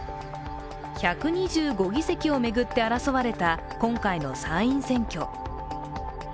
１２５議席を巡って争われた今回の参院選挙。